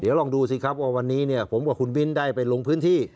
เดี๋ยวลองดูสิครับว่าวันนี้ผมกับคุณบิ๊นได้ไปลงพื้นที่